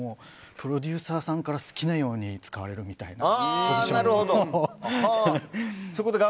プロデューサーさんから好きなように使われるみたいな。